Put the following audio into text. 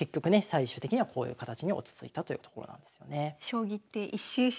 最終的にはこういう形に落ち着いたというところなんですよね。